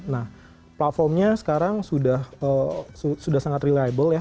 nah platformnya sekarang sudah sangat reliable ya